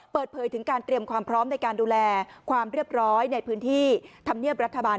เปิดเผยถึงการเตรียมความพร้อมในการดูแลความเรียบร้อยในพื้นที่ธรรมเนียบรัฐบาล